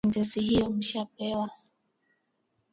Sentensi hiyo mmeshapewa